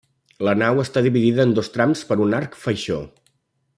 La nau està dividida en dos trams per un arc faixó.